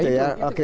oke supaya serangan